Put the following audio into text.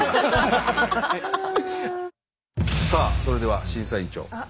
さあそれでは審査員長。